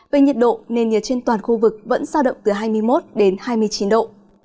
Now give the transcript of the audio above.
về nhiệt độ nền nhiệt trên toàn khu vực vẫn sao động từ hai mươi một đến hai mươi chín độ